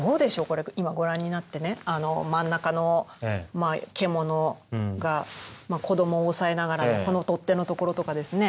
これ今ご覧になってね真ん中の獣が子どもをおさえながらのこの取っ手のところとかですね